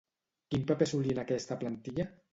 Quin paper assolí en aquesta plantilla?